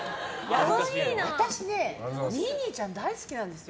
私ね、ミニーちゃん大好きなんですよ。